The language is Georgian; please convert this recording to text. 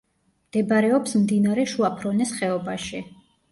მდებარეობს მდინარე შუა ფრონეს ხეობაში.